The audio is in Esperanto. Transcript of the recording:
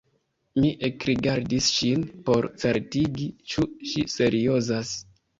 Mi ekrigardis ŝin por certigi ĉu ŝi seriozas.